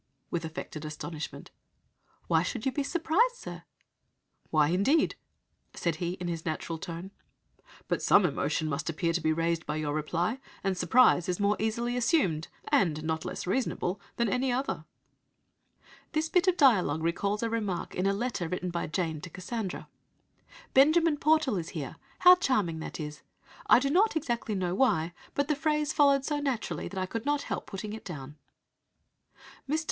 with affected astonishment. "'Why should you be surprised, sir?' "' Why, indeed!' said he, in his natural tone; 'but some emotion must appear to be raised by your reply, and surprise is more easily assumed, and not less reasonable, than any other.'" This bit of dialogue recalls a remark in a letter written by Jane to Cassandra: "Benjamin Portal is here. How charming that is! I do not exactly know why, but the phrase followed so naturally that I could not help putting it down." Mr.